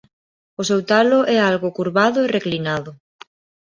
O seu talo é algo curvado e reclinado.